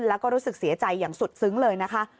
แล้วก็รู้สึกเสียใจอย่างสุดซึ้งเลยนะคะ